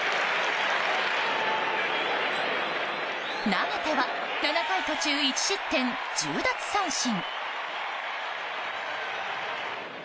投げては７回途中１失点１０奪三振。